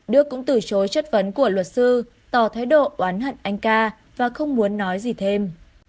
đức cũng từ chối chất vấn của luật sư tỏ thái độ oán hận anh ca và không muốn nói gì thêm